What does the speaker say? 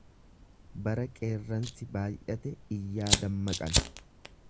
Bara qeerransi baay'ate iyyaa dammaqan.